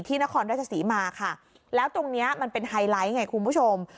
นครราชศรีมาค่ะแล้วตรงเนี้ยมันเป็นไฮไลท์ไงคุณผู้ชม